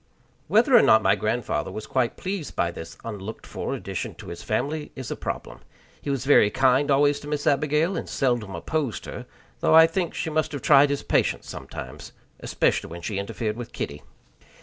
Whether or not my grandfather was quite pleased by this unlooked for addition to his family is a problem. He was very kind always to Miss Abigail, and seldom opposed her; though I think she must have tried his patience sometimes, especially when she interfered with Kitty.